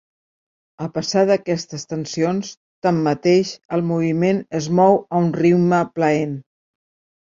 A pesar d'aquestes tensions, tanmateix, el moviment es mou a un ritme plaent.